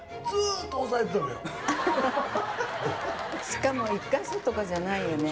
しかも１か所とかじゃないよね。